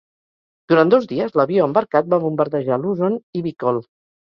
Durant dos dies, l'avió embarcat va bombardejar Luzon i Bicol.